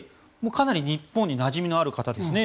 かなり日本になじみのある方ですね。